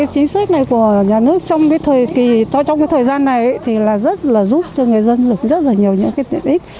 chính sách này của nhà nước trong thời gian này rất giúp cho người dân được rất nhiều tiện ích